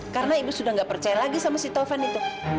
karena ibu sudah nggak percaya lagi sama si taufan itu